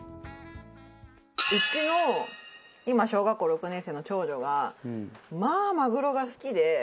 うちの今小学校６年生の長女がまあマグロが好きで。